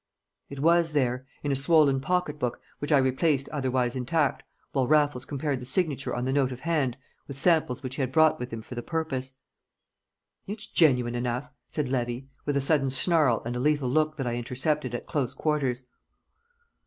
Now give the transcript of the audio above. It was there, in a swollen pocket book which I replaced otherwise intact while Raffles compared the signature on the note of hand with samples which he had brought with him for the purpose. "It's genuine enough," said Levy, with a sudden snarl and a lethal look that I intercepted at close quarters.